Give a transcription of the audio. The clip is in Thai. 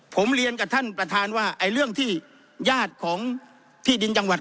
ผมเรียนกับท่านประธานว่าไอ้เรื่องที่ญาติของที่ดินจังหวัด